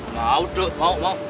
mau dok mau